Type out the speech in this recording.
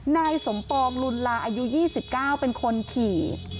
นายสมปองลุนลาอายุ๒๙เป็นคนขี่